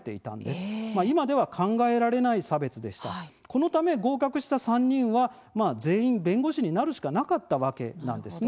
このため、合格した３人は全員、弁護士になるしかなかったわけなんですね。